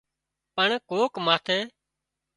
پڻ ڪوڪ ماٿي